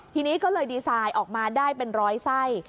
ทีนี้ก็เลยดีไซน์ออกมาได้เป็นร้อยไส้